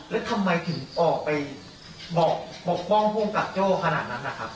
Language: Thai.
แล้วทำไมถึงออกไปบอกปกป้องภูมิกับโจ้ขนาดนั้นนะครับ